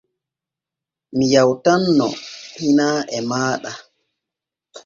Mi yawtanno hinaa e maaɗa.